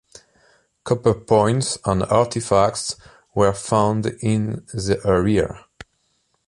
Copper points and artifacts were found in the area.